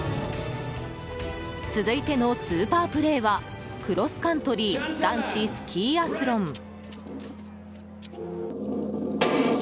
続いてのスーパープレーはクロスカントリー男子スキーアスロン。